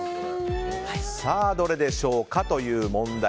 さあどれでしょうかという問題。